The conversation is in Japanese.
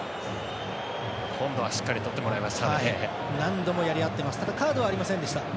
今度はしっかりとってもらいましたね。